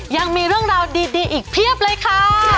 ยังมีเรื่องราวดีอีกเพียบเลยค่ะ